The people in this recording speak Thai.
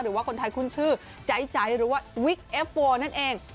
หรือว่าคนไทยคุ้นชื่อใจหรือว่าวิกเอฟโวนั่นเอง